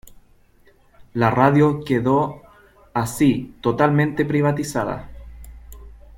La radio quedó así totalmente privatizada.